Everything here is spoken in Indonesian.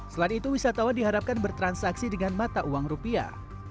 selain itu wisatawan diharapkan bertransaksi dengan mata uang rupiah